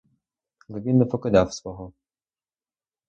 Але він не покидав свого.